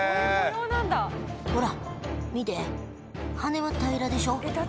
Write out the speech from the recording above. ほら見て羽は平らでしょ。